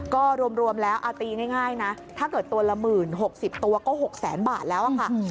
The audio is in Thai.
ก็รวมแล้วตีง่ายนะถ้าเกิดตัวละหมื่น๖๐ตัวก็๖แสนบาทแล้วค่ะ